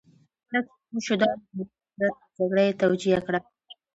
کله چې پوه شو دا ناممکنه ده نو جګړه یې توجیه کړه